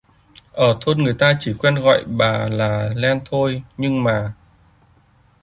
Ở thôn người ta chỉ quen gọi bấy là bà len thôi Nhưng mà